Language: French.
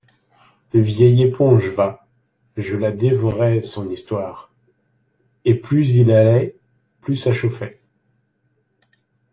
Vieille éponge, va ! je la dévorais, son histoire ! «Et plus il allait, plus ça chauffait.